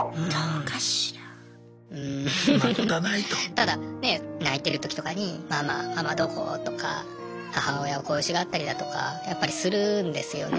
ただねえ泣いてるときとかに「ママママどこ」とか母親を恋しがったりだとかやっぱりするんですよね。